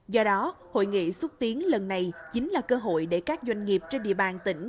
do đó hội nghị xúc tiến lần này chính là cơ hội để các doanh nghiệp trên địa bàn tỉnh